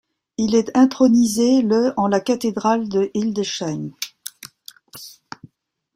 Il est intronisé le en la cathédrale de Hildesheim.